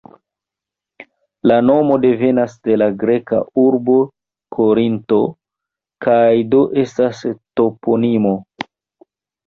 La nomo devenas de la greka urbo Korinto kaj do estas toponimo.